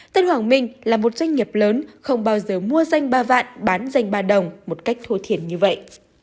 tân hoàng minh là một doanh nghiệp lớn không bao giờ mua danh ba vạn bán danh ba đồng một cách thô thiện như vậy